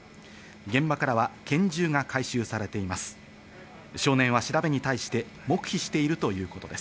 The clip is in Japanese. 現場からは拳銃が回収されています。